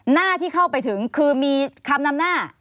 หน้าที่เข้าไปถึงคือมีคำนำหน้า